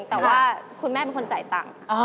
แต่ว่าคุณแม่เป็นคนจ่ายตังค์